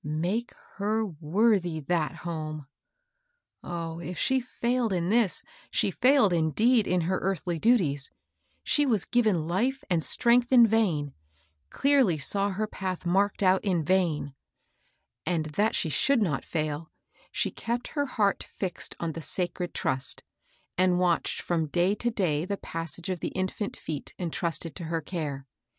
Make her worthy that home 1 Oh, if she fiuled in this, she &iled indeed in her earthly daties, — she was given life and strength in vain, — clearly saw her path marked out in vain I And that she should not fail, she kept her heart fixed on the sacred trust, and watched fix)m day to day the passage of the infant feet entrusted to her care.